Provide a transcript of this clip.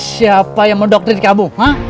siapa yang mendokterin kamu ha